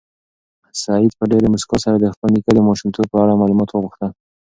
سعید په ډېرې موسکا سره د خپل نیکه د ماشومتوب په اړه معلومات وغوښتل.